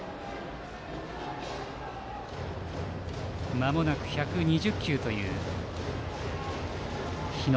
まもなく１２０球という日野。